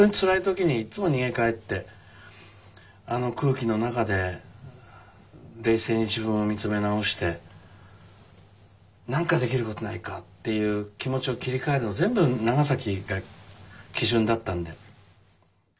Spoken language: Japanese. あの空気の中で冷静に自分を見つめ直してなんかできることないか？っていう気持ちを切り替えるの全部長崎が基準だったんで。